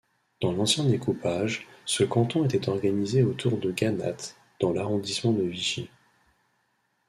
Dans l'ancien découpage, ce canton était organisé autour de Gannat dans l'arrondissement de Vichy.